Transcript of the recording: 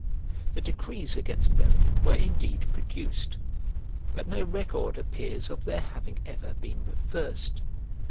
The decrees against them were indeed produced; but no record appears of their having ever been reversed.